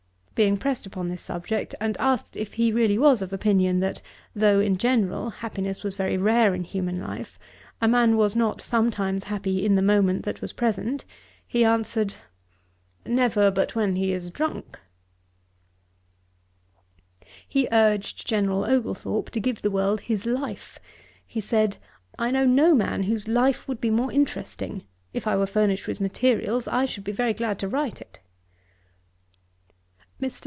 Being pressed upon this subject, and asked if he really was of opinion, that though, in general, happiness was very rare in human life, a man was not sometimes happy in the moment that was present, he answered, 'Never, but when he is drunk.' He urged General Oglethorpe to give the world his Life. He said, 'I know no man whose Life would be more interesting. If I were furnished with materials, I should be very glad to write it.' Mr.